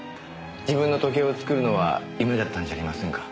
自分の時計を作るのは夢だったんじゃありませんか？